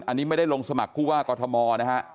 อันนี้ไม่ได้ลงสมัครผู้ว่ากอทมนะฮะ